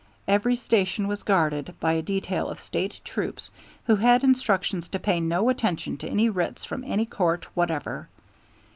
Every station was guarded by a detail of State troops who had instructions to pay no attention to any writs from any court whatever.